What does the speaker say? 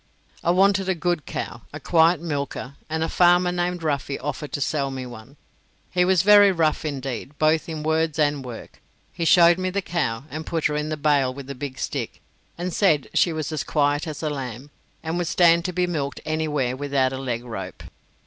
I wanted a good cow, a quiet milker, and a farmer named Ruffy offered to sell me one. He was very rough indeed, both in words and work. He showed me the cow, and put her in the bail with a big stick; said she was as quiet as a lamb, and would stand to be milked anywhere without a leg rope.